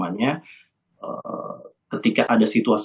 karena ke depan kami sangat doyar nefas